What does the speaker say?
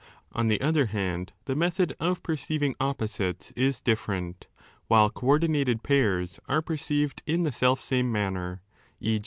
On the other hand, the method of perceiving opposites is different, while co ordinated pairs are perceived in the self same manner, ».